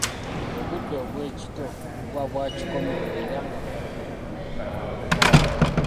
Obudde obw'ekitto buba bwakikome era nga bunnyogovu nnyo.